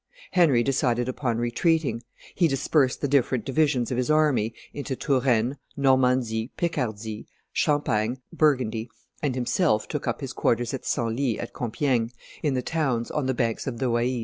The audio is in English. Henry decided upon retreating; he dispersed the different divisions of his army into Touraine, Normandy, Picardy, Champagne, Burgundy, and himself took up his quarters at Senlis, at Compiegne, in the towns on the banks of the Oise.